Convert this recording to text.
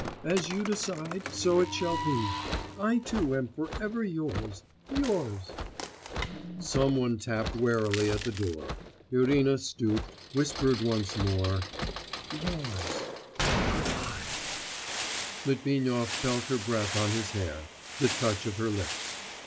As you decide, so it shall be. I, too, am for ever yours ... yours.' Some one tapped warily at the door. Irina stooped, whispered once more, 'Yours ... good bye!' Litvinov felt her breath on his hair, the touch of her lips.